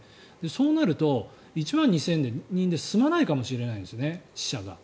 そうなると１万２０００人で済まないかもしれないですよね死者が。